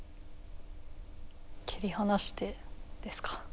切り離してですか。